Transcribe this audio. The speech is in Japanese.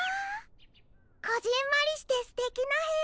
こぢんまりしてすてきなへや！